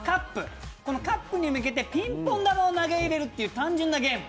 カップに向けてピンポン球を投げ入れるという単純なゲーム。